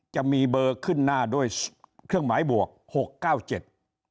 จะมีเบอร์ขึ้นหน้าด้วยเครื่องหมายบวกหกเก้าเจ็ด